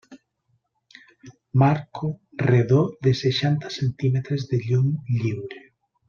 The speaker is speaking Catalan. Marco redó de seixanta centímetres de llum lliure.